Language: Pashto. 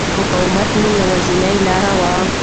مقاومت مې یوازینۍ لاره وه.